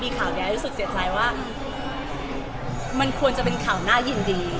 บียนต์หลัวแล้วเองไม่รู้สึกเสียงใจว่ามันควรจะเป็นข่าวหน้าินดี